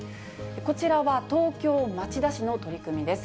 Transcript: こちらは東京・町田市の取り組みです。